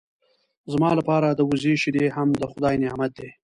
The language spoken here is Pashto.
زما لپاره د وزې شیدې هم د خدای نعمت دی.